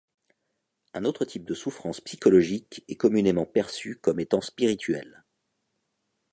Un autre type de souffrance psychologique est communément perçu comme étant spirituel.